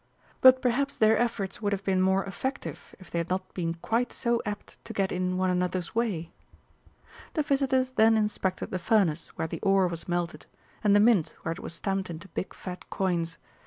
But perhaps their efforts would have been more effective if they had not been quite so apt to get in one another's way. The visitors then inspected the furnace where the ore was melted, and the Mint where it was stamped into big fat coins.